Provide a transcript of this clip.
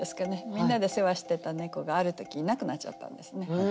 みんなで世話してた猫がある時いなくなっちゃったんですね。